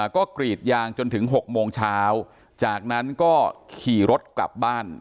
ก็กรีดยางจนถึง๖โมงเช้าจากนั้นก็ขี่รถกลับบ้าน